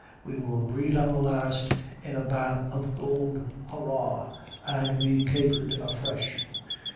we will breathe our last in a bath of gold hurrah!' and we capered afresh.